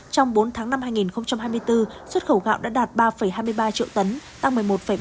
trong bốn tháng năm hai nghìn hai mươi bốn xuất khẩu gạo đã đạt ba hai mươi ba triệu tấn tăng một mươi một ba